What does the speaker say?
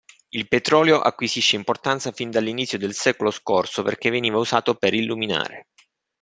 Il petrolio acquisisce importanza fin dall'inizio del secolo scorso perché veniva usato per illuminare.